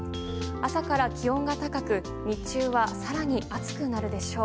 朝から気温が高く日中は更に暑くなるでしょう。